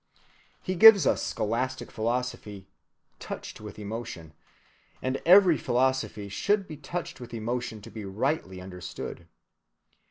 He gives us scholastic philosophy "touched with emotion," and every philosophy should be touched with emotion to be rightly understood.